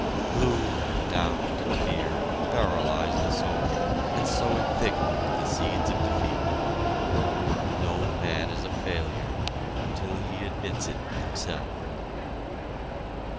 Gloom and doubt and fear paralyze the soul and sow it thick with the seeds of defeat. No man is a failure until he admits it himself.